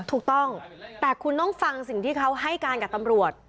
ถูกต้องแต่คุณต้องฟังสิ่งที่เขาให้การกับตำรวจ